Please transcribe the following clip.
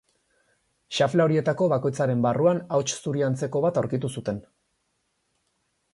Xafla horietako bakoitzaren barruan hauts zuri antzeko bat aurkitu zuten.